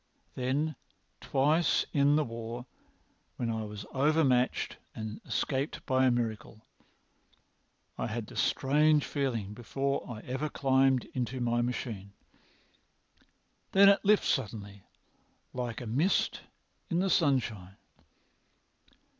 Then twice in the war when I was overmatched and escaped by a miracle, I had this strange feeling before ever I climbed into my machine.[Pg 241] Then it lifts quite suddenly, like a mist in the sunshine.